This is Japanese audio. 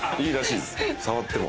触っても。